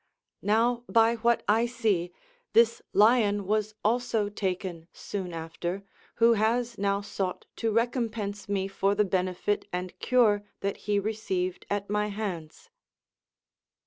Now, by what I see, this lion was also taken soon after, who has now sought to recompense me for the benefit and cure that he received at my hands."